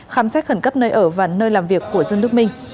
khám xét khẩn cấp nơi ở và nơi làm việc của dương đức minh